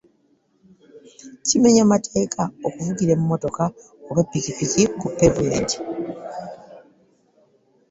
Kimenya mateeka okuvugira emmotoka oba ppikippiki ku peevumenti.